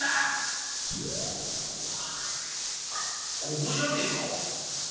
ここじゃねえか？